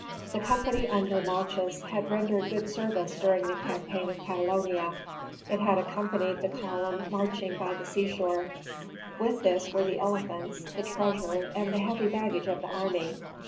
The company under Malchus had rendered good service during the campaign of Catalonia. It had accompanied the column marching by the seashore; with this were the elephants, the treasure, and the heavy baggage of the army.